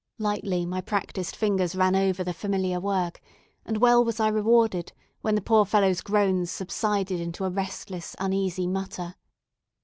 Lightly my practised fingers ran over the familiar work, and well was I rewarded when the poor fellow's groans subsided into a restless uneasy mutter.